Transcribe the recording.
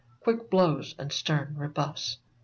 Quick blows and stern rebuffs.